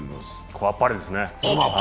これ、あっぱれですね。